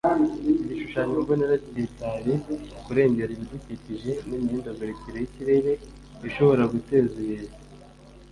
iki gishushanyo mbonera kitaye ku kurengera ibidukikije n’imihindagurikire y’ikirere ishobora guteza ibiza